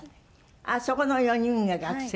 そこの４人が学生さん。